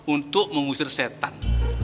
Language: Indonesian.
untuk mengusir setan